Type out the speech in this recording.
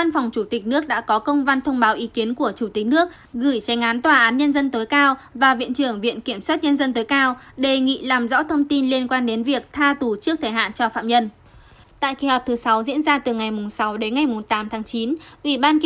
chủ tịch nước đã có công văn thông báo ý kiến của chủ tịch nước gửi xe án tòa án nhân dân tối cao và viện trưởng viện kiểm soát nhân dân tối cao đề nghị làm rõ thông tin liên quan đến việc tha tù trước thời hạn cho phạm nhân